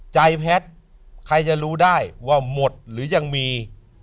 แพทย์ใครจะรู้ได้ว่าหมดหรือยังมี